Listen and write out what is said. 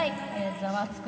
ザワつく！